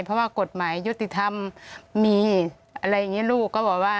เพราะว่ากฎหมายยุติธรรมมีอะไรอย่างนี้ลูก